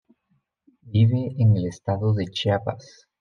Vive en el Estado de Chiapas.